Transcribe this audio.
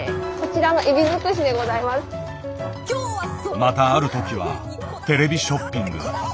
またあるときはテレビショッピング。